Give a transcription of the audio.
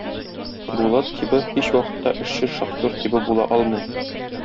Булат тибы һич вакытта эшче шахтер тибы була алмый.